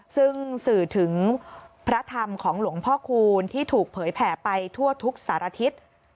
ซึ่งสื่อถึงพระธรรมของหลวงพ่อคูณที่ถูกเผยแผ่ไปทั่วทุกสารทิศ